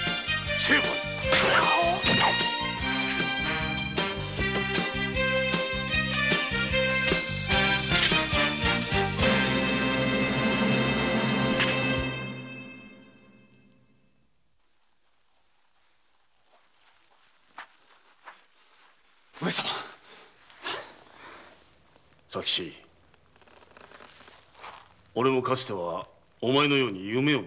俺もかつてはお前のように夢を見た。